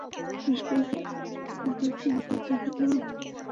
বেশ কয়েকজন নারী তাঁদের হাতে নির্যাতিত হলেও অনেকে বিষয়টি গোপন রেখেছিলেন।